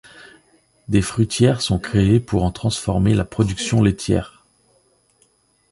Des fruitières sont créées pour en transformer la production laitière.